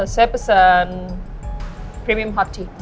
saya pesan premium hot tea